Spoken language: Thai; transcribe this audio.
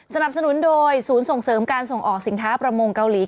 สนับสนุนโดยศูนย์ส่งเสริมการส่งออกสินค้าประมงเกาหลี